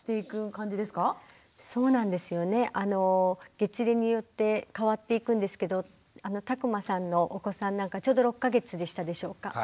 月齢によって変わっていくんですけど田熊さんのお子さんなんかちょうど６か月でしたでしょうか。